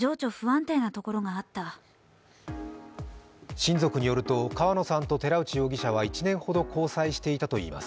親族によると、川野さんと寺内容疑者は１年ほど交際していたといいます。